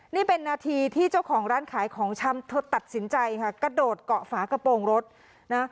นี่เป็นนาทีที่เจ้าของร้านขายของชำเธอตัดสินใจค่ะกระโดดเกาะฝากระโปรงรถนะ